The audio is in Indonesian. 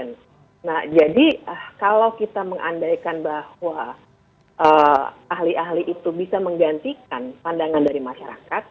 nah jadi kalau kita mengandaikan bahwa ahli ahli itu bisa menggantikan pandangan dari masyarakat